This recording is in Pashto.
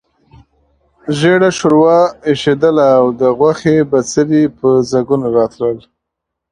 ژېړه ښوروا اېشېدله او غوښې بڅري په ځګونو راتلل.